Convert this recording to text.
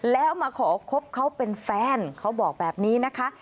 แล้วมาขอคบเขาเป็นแฟนเขาบอกแบบนี้นะคะ